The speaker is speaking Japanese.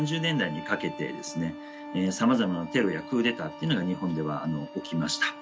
さまざまなテロやクーデターっていうのが日本では起きました。